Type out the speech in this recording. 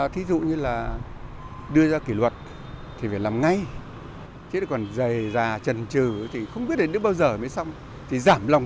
thí dụ như là đưa ra kỳ luật thì phải làm ngay chứ còn dày già trần trừ thì không biết đến bao giờ mới xong